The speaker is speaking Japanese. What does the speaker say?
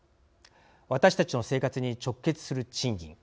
私たちの生活に直結する賃金。